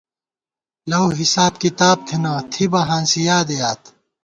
لَؤحساب کتاب تھنہ، تھِبہ ہانسی یادےیاد